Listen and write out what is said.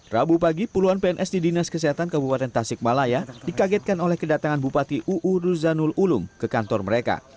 rabu pagi puluhan pns di dinas kesehatan kabupaten tasikmalaya dikagetkan oleh kedatangan bupati uu ruzanul ulum ke kantor mereka